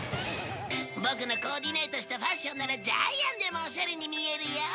ボクのコーディネートしたファッションならジャイアンでもおしゃれに見えるよ。